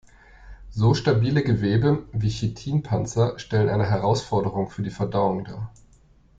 So stabile Gewebe wie Chitinpanzer stellen eine Herausforderung für die Verdauung dar.